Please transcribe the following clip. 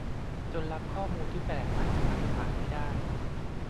จนรับข้อมูลที่แปลกไปจากมาตรฐานไม่ได้